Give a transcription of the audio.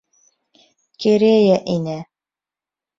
Керея инә.